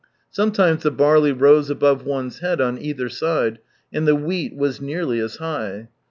Sometimes the barley rose above one's head on either side, and the wheat was nearly as high.